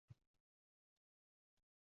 O, men seni sevaman